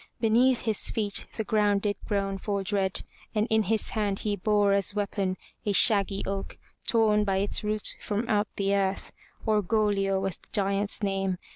Beneath his feet the ground did groan for dread and in his hand he bore as weapon a shaggy oak, torn by its root, from out the earth. Or go'gli o was the giant's name.